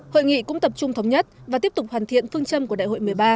hội nghị cũng tập trung thống nhất và tiếp tục hoàn thiện phương châm của đại hội một mươi ba